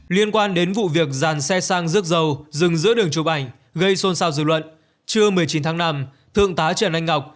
liên quan đến vụ việc dàn xe sang rước dầu dừng giữa đường chụp ảnh gây xôn xao dư luận trưa một mươi chín tháng năm thượng tá trần anh ngọc